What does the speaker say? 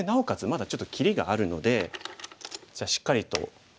まだちょっと切りがあるのでじゃあしっかりと守っておきますかね